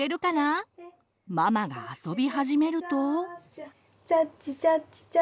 ママが遊び始めると。